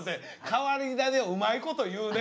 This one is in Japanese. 変わり種うまいこと言うね。